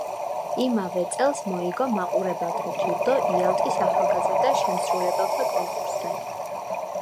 იმავე წელს მოიგო მაყურებელთა ჯილდო იალტის ახალგაზრდა შემსრულებელთა კონკურსზე.